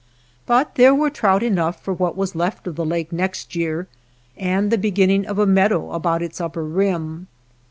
But there were trout enough for what was left of the lake next year and the beginning of a meadow about its upper rim.